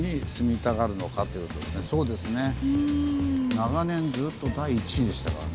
長年ずっと第１位でしたからね。